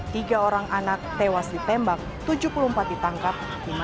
tiga orang anak tewas ditembak tujuh puluh empat ditangkap